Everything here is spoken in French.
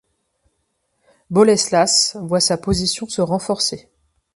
Boleslas voit sa position se renforcer.